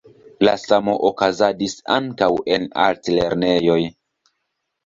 La samo okazadis ankaŭ en altlernejoj.